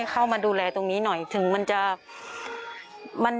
ก็ว่าต้องทำปลอดภัยใช่ไหม